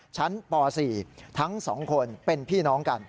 ชั้นป๔ทั้ง๒คนเป็นพี่น้องกัน